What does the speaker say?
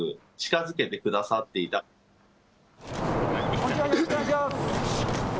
こんにちは、よろしくお願いします！